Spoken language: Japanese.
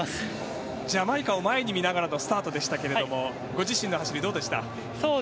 ジャマイカを前に見ながらのスタートでしたがご自身の走りはどうでしたか？